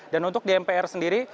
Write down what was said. dan untuk di mpr sendiri